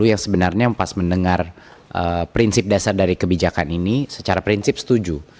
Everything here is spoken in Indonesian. yang sebenarnya pas mendengar prinsip dasar dari kebijakan ini secara prinsip setuju